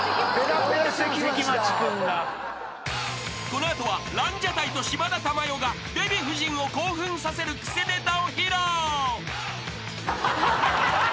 ［この後はランジャタイと島田珠代がデヴィ夫人を興奮させるクセネタを披露］